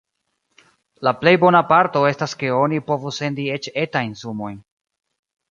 La plej bona parto estas ke oni povus sendi eĉ etajn sumojn.